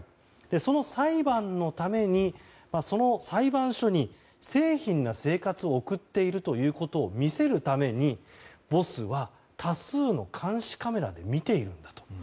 その裁判のためにその裁判所に清貧な生活を送っているということを見せるためにボスは、多数の監視カメラで見ているんだと。